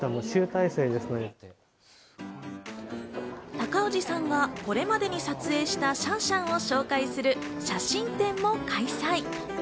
高氏さんがこれまでに撮影したシャンシャンを紹介する写真展も開催。